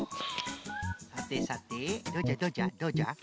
さてさてどうじゃどうじゃどうじゃ？